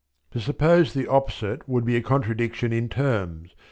To suppose the opposite would be a contradiction in terms.